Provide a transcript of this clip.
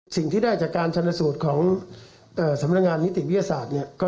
สิ่งที่ได้จากการชนสูตรของสำนักงานนิติวิทยาศาสตร์เนี่ย